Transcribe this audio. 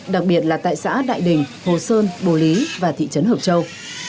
đặc biệt là tại xã đại đình hồ sơn bồ lý và thị trấn hợp châu